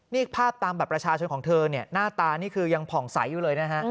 นี่ภาพตามบัตรประชาชนของเธอเนี่ยหน้าตานี่คือยังผ่องใสอยู่เลยนะฮะ